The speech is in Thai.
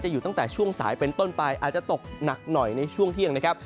อยู่ตั้งแต่ช่วงสายเป็นต้นไปอาจจะตกหนักหน่อยในช่วงเที่ยงนะครับ